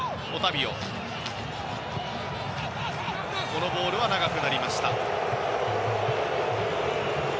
このボールは長くなりました。